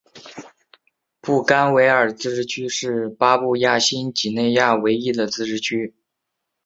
布干维尔自治区是巴布亚新几内亚唯一的自治区。